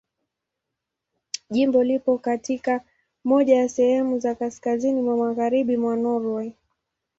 Jimbo lipo katika moja ya sehemu za kaskazini mwa Magharibi mwa Norwei.